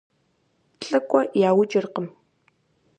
ЛӀыкӀуэ яукӀыркъым.